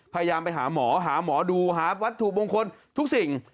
พยายามไปหาหมอหาหมอดูหาวัตถุมงคลทุกสิ่ง